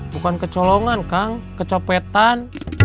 bukan kecolongan kang kecopetan